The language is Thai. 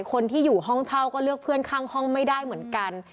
คนที่อยู่ห้องเช่าก็เลือกเพื่อนข้างห้องไม่ได้เหมือนกัน